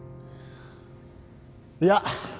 いや。